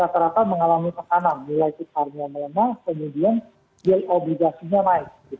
terdapat mengalami tekanan mulai titkarnya melemah kemudian gel obligasinya naik